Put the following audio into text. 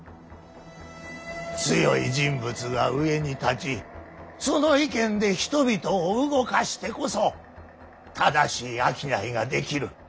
強い人物が上に立ちその意見で人々を動かしてこそ正しい商いができる。